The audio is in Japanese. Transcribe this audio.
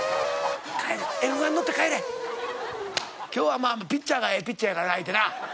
今日はまあピッチャーがええピッチャーやからな相手な。